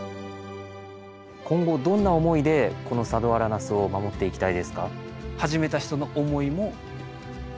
今後どんな思いでこの佐土原ナスを守っていきたいですか？